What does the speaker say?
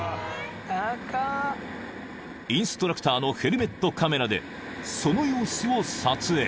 ［インストラクターのヘルメットカメラでその様子を撮影］